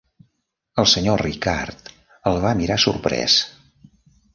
El senyor Ricard el va mirar sorprès.